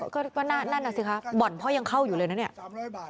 ก็นั่นน่ะสิคะบ่อนพ่อยังเข้าอยู่เลยนะเนี่ย